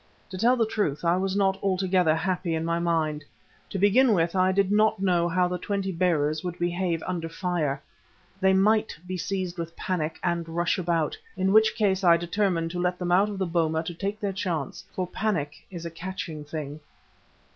To tell the truth, I was not altogether happy in my mind. To begin with I did not know how the twenty bearers would behave under fire. They might be seized with panic and rush about, in which case I determined to let them out of the boma to take their chance, for panic is a catching thing.